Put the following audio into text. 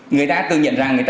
người ta tự nhận rằng người ta